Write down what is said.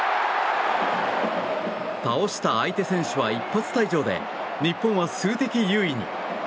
倒した相手選手は一発退場で日本は数的優位に。